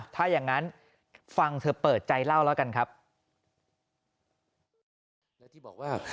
ถ้าอย่างนั้นฟังเธอเปิดใจเล่าแล้วกันครับ